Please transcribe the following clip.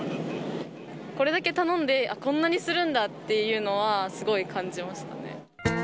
これだけ頼んで、あっ、こんなにするんだっていうのはすごい感じましたね。